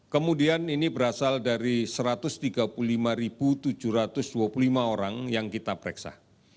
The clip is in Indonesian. kemudian ini berasal dari satu ratus tiga puluh lima tujuh ratus dua puluh lima orang yang kita pereksa